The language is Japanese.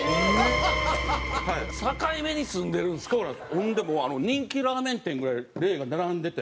ほんでもう人気ラーメン店ぐらい霊が並んでて。